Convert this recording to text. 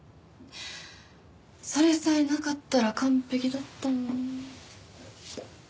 それさえなかったら完璧だったのに。